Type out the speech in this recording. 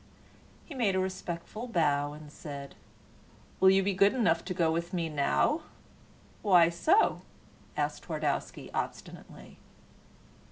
He made a respectful bow and said, "Will you be good enough to go with me now?" "Why so?" asked Twardowski, obstinately.